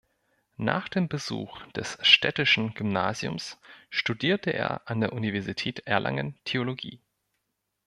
Nach dem Besuch des Städtischen Gymnasiums studierte er an der Universität Erlangen Theologie.